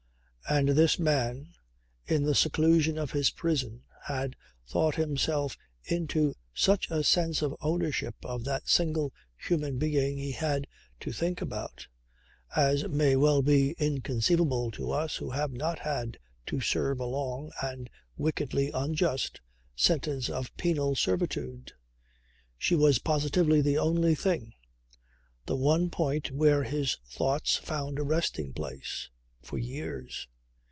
And this man in the seclusion of his prison had thought himself into such a sense of ownership of that single human being he had to think about, as may well be inconceivable to us who have not had to serve a long (and wickedly unjust) sentence of penal servitude. She was positively the only thing, the one point where his thoughts found a resting place, for years.